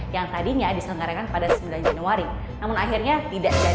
yang tadinya diselenggarakan pada sembilan januari namun akhirnya tidak jadi